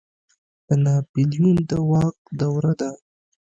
د ناپلیون د واک دوره ده.